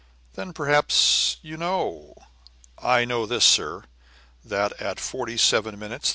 "Then perhaps you know " "I know this, sir, that at 47 minutes 35.